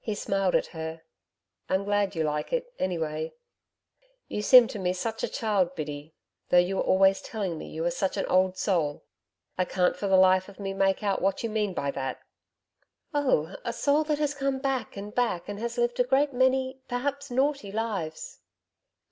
He smiled at her. 'I'm glad you like it, anyway. You seem to me such a child, Biddy, though you are always telling me you are such an old soul. I can't for the life of me make out what you mean by that.' 'Oh! A soul that has come back and back, and has lived a great many perhaps naughty lives.'